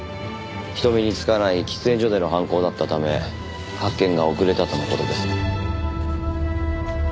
人目につかない喫煙所での犯行だったため発見が遅れたとの事です。